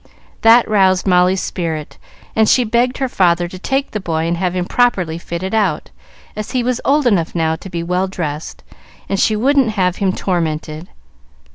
That roused Molly's spirit, and she begged her father to take the boy and have him properly fitted out, as he was old enough now to be well dressed, and she wouldn't have him tormented.